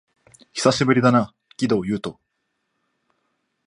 久しぶりだな、鬼道